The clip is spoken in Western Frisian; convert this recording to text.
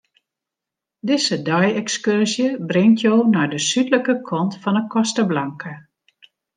Dizze dei-ekskurzje bringt jo nei de súdlike kant fan 'e Costa Blanca.